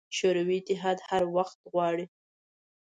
شوروي اتحاد هر وخت غواړي.